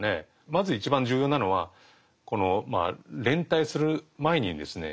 まず一番重要なのはこの連帯する前にですね